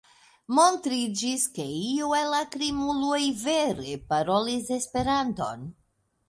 Montriĝis, ke iu el la krimuloj vere parolis Esperanton.